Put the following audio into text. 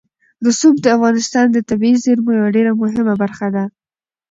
رسوب د افغانستان د طبیعي زیرمو یوه ډېره مهمه برخه ده.